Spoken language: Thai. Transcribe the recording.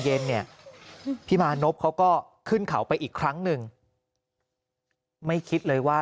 เย็นเนี่ยพี่มานพเขาก็ขึ้นเขาไปอีกครั้งหนึ่งไม่คิดเลยว่า